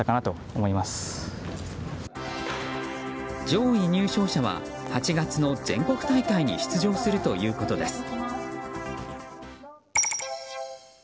上位入賞者は８月の全国大会に出場するということです。